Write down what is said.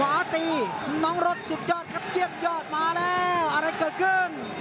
ขวาตีน้องรถสุดยอดครับเยี่ยมยอดมาแล้วอะไรเกิดขึ้น